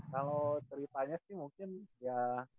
kalau ceritanya sih mungkin ya